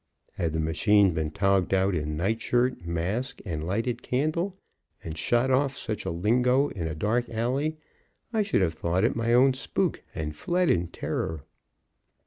Had the machine been togged out in night shirt, mask and lighted candle, and shot off such a lingo in a dark alley, I should have thought it my own spook and fled in terror.